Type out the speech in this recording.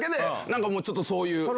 何かちょっとそういう。